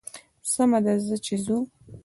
سمه ده ځه چې ځو.